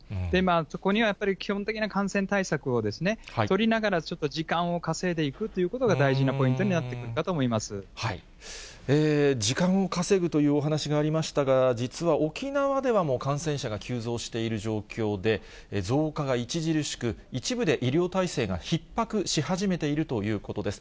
そこにはやっぱり、基本的な感染対策を取りながら、ちょっと時間を稼いでいくということが大事なポイントになってく時間を稼ぐというお話がありましたが、実は沖縄ではもう感染者が急増している状況で、増加が著しく、一部で医療体制がひっ迫し始めているということです。